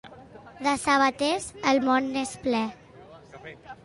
De sabaters, el món n'és ple.